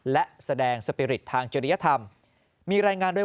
และแสดงสปิริตทางเจริยธรรมมีรายงานด้วย